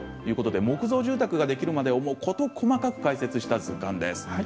木造住宅ができるまでを事細かく解説した図鑑です。